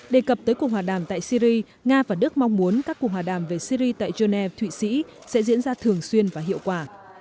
đề cập tới cuộc hòa đàm tại syri nga và đức mong muốn các cuộc hòa đàm về syri tại geneva thụy sĩ sẽ diễn ra thường xuyên và hiệu quả